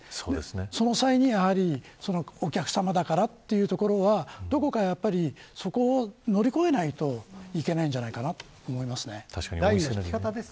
その際にお客さまだからというところはどこか乗り越えないといけないんじゃないかというふうに思います。